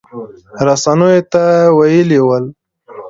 رسنیو ته ویلي ول